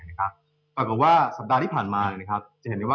เราก็ว่าสัปดาห์ที่ผ่านมา